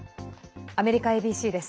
アメリカＡＢＣです。